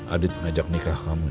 adit ngajak nikah kamu